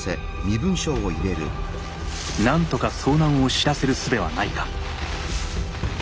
なんとか遭難を知らせるすべはないか。